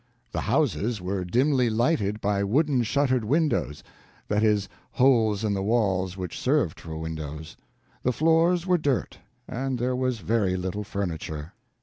The houses were dimly lighted by wooden shuttered windows—that is, holes in the walls which served for windows. The floors were dirt, and there was very little furniture.